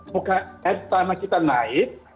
poka air tanah kita naik